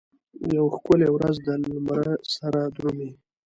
یوه ښکلې ورځ دلمره سره درومي